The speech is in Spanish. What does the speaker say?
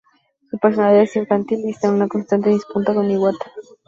Su personalidad es infantil y esta en constante disputa con Iwata.